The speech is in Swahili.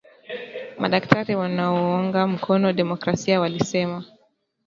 Madaktari wanaounga mkono demokrasia walisema.